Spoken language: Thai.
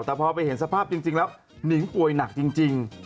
แต่พอไปเห็นสภาพจริงแล้วนิงป่วยหนักจริง